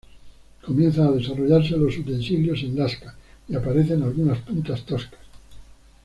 Comienzan a desarrollarse los utensilios en lasca y aparecen algunas puntas toscas.